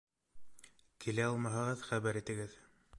Килә алмаһағыҙ, хәбәр итегеҙ